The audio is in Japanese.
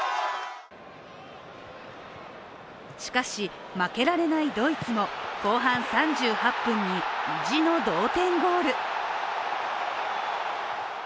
しかし、負けられないドイツも後半３８分に意地の同点ゴール。